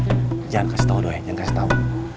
jangan kasih tau doi jangan kasih tau